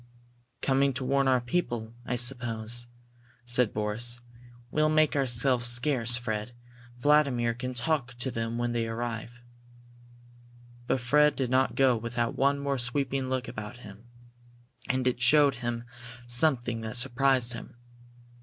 "Coming to warn our people, I suppose," said Boris. "We'll make ourselves scarce, Fred. Vladimir can talk to them when they arrive." But Fred did not go without one more sweeping look about him. And it showed him something that surprised him.